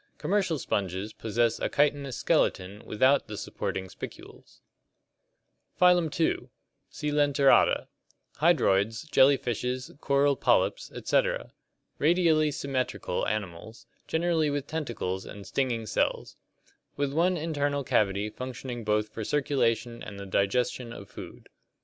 Commercial sponges possess a chitinous skeleton without the supporting spicules. Phylum II. Ccelenterata (Gr. jcolXos, hollow, and cwcpov, intes tine). Hydroids, jellyfishes, coral polyps, etc. Radially symmetrical animals, generally with tentacles and stinging cells. With one internal cavity functioning both for circulation and the digestion of food.